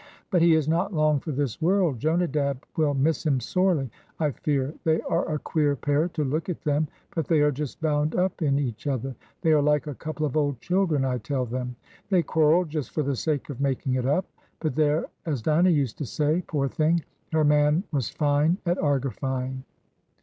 "But he is not long for this world. Jonadab will miss him sorely, I fear; they are a queer pair to look at them, but they are just bound up in each other. They are like a couple of old children, I tell them; they quarrel just for the sake of making it up. But there, as Dinah used to say poor thing! her man was fine at argifying."